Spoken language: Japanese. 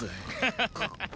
・ハハハハ。